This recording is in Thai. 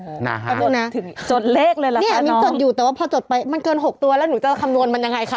โอ้โฮจดเลขเลยล่ะคะน้องนี่มิ้นจดอยู่แต่ว่าพอจดไปมันเกิน๖ตัวแล้วหนูจะคำนวณมันยังไงคะ